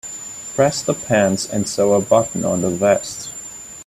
Press the pants and sew a button on the vest.